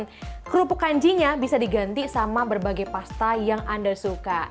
dan kerupuk kanjinya bisa diganti sama berbagai pasta yang anda suka